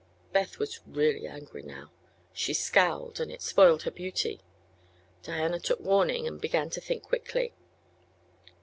Beth was really angry now. She scowled, and it spoiled her beauty. Diana took warning and began to think quickly.